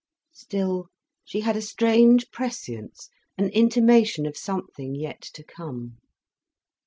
Still she had a strange prescience, an intimation of something yet to come.